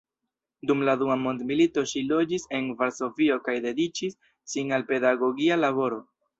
Dum la dua mondmilito ŝi loĝis en Varsovio kaj dediĉis sin al pedagogia laboro.